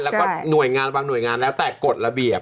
แล้วก็บางหน่วยงานแล้วแต่กฎระเบียบ